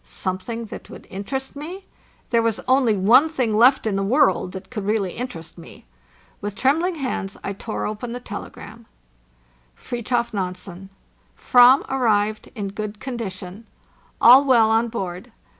Something that would interest me? There was only one thing left in the world that could really interest me. With trembling hands I tore open the telegram: " FripTjor NANSEN: " /yam arrived in good condition. All well on board.